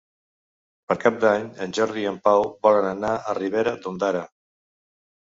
Per Cap d'Any en Jordi i en Pau volen anar a Ribera d'Ondara.